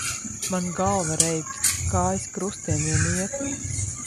Man galva reibst, kājas krustiem vien iet.